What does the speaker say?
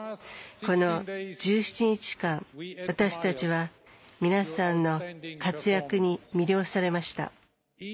この１７日間、私たちは皆さんの活躍に魅了されました。